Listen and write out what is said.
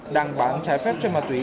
đang bán trái phép chất ma túy